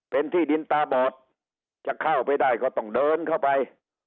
เป็นที่ดินตาบอดจะเข้าไปได้ก็ต้องเดินเข้าไป